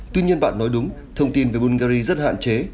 tuy nhiên bạn nói đúng thông tin về bungary rất hạn chế